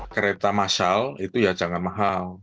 kereta masal itu ya jangan mahal